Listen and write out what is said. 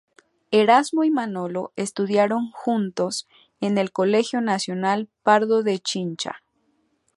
Erasmo y Manolo, estudiaron juntos en el Colegio Nacional Pardo de Chincha.